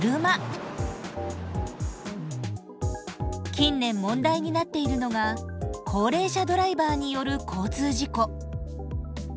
近年問題になっているのが高齢者ドライバーによる交通事故。